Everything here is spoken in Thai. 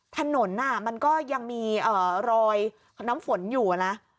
ถนนมันก็ยังมีรอยน้ำฝนอยู่นะ